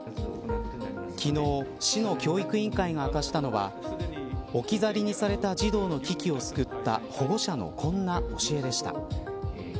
昨日、市の教育委員会が明かしたのは置き去りにされた児童の危機を救った保護者のこんな教えでした。